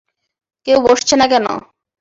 কেউ বসছে না কেন?